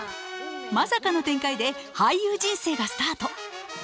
まさかの展開で俳優人生がスタート。